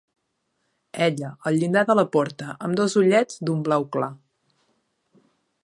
Ella al llindar de la porta amb dos ullets d'un blau clar